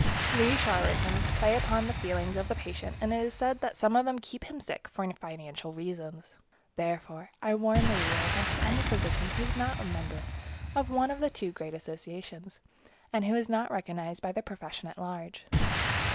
These charlatans play upon the feelings of the patient, and it is said that some of them keep him sick for financial reasons. Therefore, I warn the reader against any physician who is not a member of one of the two great associations, and who is not recognized by the profession at large.